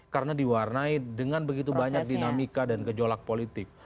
karena diwarnai dengan begitu banyak dinamika dan gejolak politik